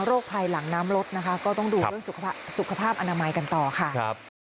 โรคภัยหลังน้ำรถนะคะก็ต้องดูเรื่องสุขภาพสุขภาพอนามัยกันต่อค่ะครับ